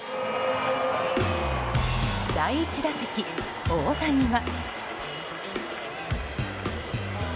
第１打席、大谷は。